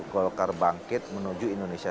golkar bangkit menuju indonesia